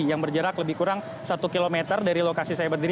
yang berjarak lebih kurang satu km dari lokasi saya berdiri